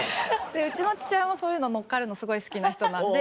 うちの父親そういうの乗っかるのすごい好きな人なんで。